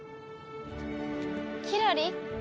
キラリ？